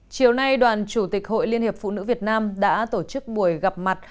chiều nay đoàn chủ tịch hội liên hiệp phụ nữ việt nam đã tổ chức buổi gặp mặt